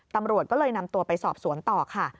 ตำรวจก็เลยนำตัวไปสอบสวนต่อค่ะ